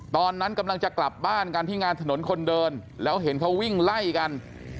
ตอนนั้นกำลังจะกลับบ้านกันที่งานถนนคนเดินแล้วเห็นเขาวิ่งไล่กัน